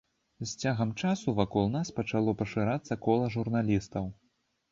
З цягам часу вакол нас пачало пашырацца кола журналістаў.